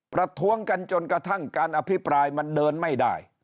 ประท้วงกันจนกระทั่งการอภิปรายมันเดินไม่ได้